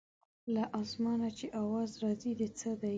له اسمانه چې اواز راځي د څه دی.